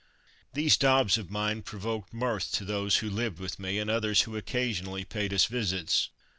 These daubs of mine provoked mirth to those who lived with me, and others who occasionally paid us visits.